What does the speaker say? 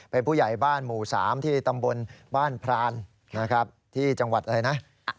เป็นผู้ใหญ่บ้านหมู่๓ที่ตำบลบ้านพรานนะครับที่จังหวัดอะไรนะ